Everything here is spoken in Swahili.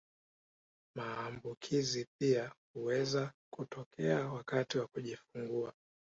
Maambukizi pia huweza kutokea wakati wa kujifungua